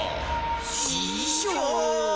ししょう！